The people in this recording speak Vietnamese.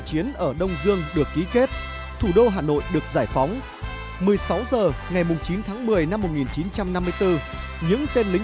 chiến ở đông dương được ký kết thủ đô hà nội được giải phóng một mươi sáu giờ ngày chín tháng một mươi năm một nghìn chín trăm năm mươi bốn